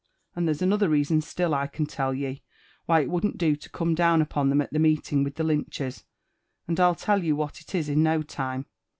And there's another reason still, I can tell ye, why it wouldn't do to come down upon 'em at the meeting with the Lynchers; and Fll tell you what it is in no time.